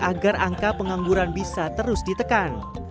agar angka pengangguran bisa terus ditekan